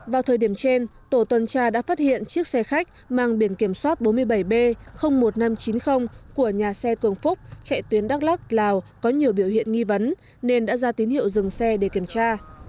vào thời điểm trên tổ tuần tra đã phát hiện chiếc xe khách mang biển kiểm soát bốn mươi bảy b một nghìn năm trăm chín mươi của nhà xe cường phúc chạy tuyến đắk lắc lào có nhiều biểu hiện nghi vấn nên đã ra tín hiệu dừng xe để kiểm tra